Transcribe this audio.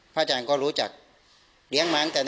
พระท่านก็รู้จักเลี้ยงหมางแต่น้อยน้อย